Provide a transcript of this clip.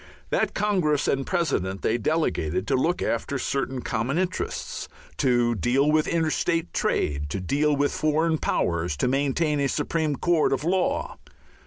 That congress and president they delegated to look after certain common interests, to deal with interstate trade, to deal with foreign powers, to maintain a supreme court of law.